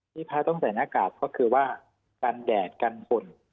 พระต้องใส่หน้ากากก็คือว่ากันแดดกันฝน